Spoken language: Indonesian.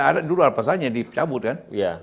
ada dua pasalnya dicabut kan